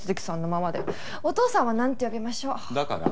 お父さんはなんて呼びましょう？だから。